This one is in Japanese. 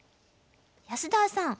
安田さん